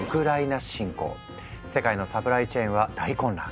世界のサプライチェーンは大混乱。